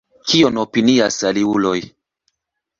Kion opinias aliuloj?